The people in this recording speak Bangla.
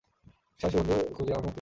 একটা সাহসী বন্ধু খুঁজে আমাকে মুক্তি দাও।